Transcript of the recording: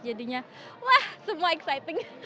jadinya wah semua exciting